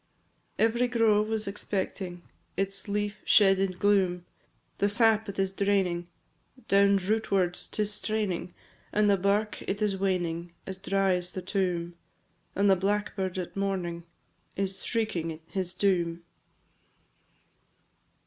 II. Every grove was expecting Its leaf shed in gloom; The sap it is draining, Down rootwards 'tis straining, And the bark it is waning As dry as the tomb, And the blackbird at morning Is shrieking his doom.